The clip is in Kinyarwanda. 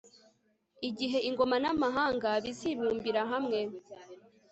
igihe ingoma n'amahanga bizibumbira hamwe